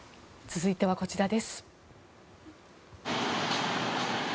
続いてはこちらです。